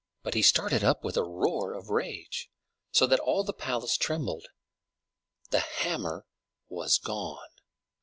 But he started up with a roar of rage, so that all the palace trembled. The hammer was gone!